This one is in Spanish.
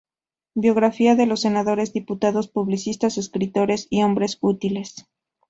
Biografía de los Senadores, Diputados, Publicistas, Escritores y hombres útiles.